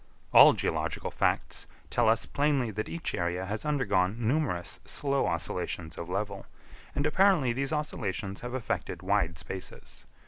All geological facts tell us plainly that each area has undergone numerous slow oscillations of level, and apparently these oscillations have affected wide spaces.